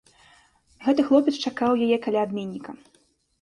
Гэты хлопец чакаў яе каля абменніка.